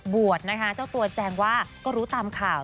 บวชนะคะเจ้าตัวแจงว่าก็รู้ตามข่าว